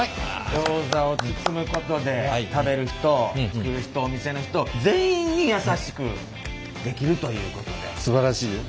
ギョーザを包むことで食べる人作る人お店の人全員に優しくできるということで。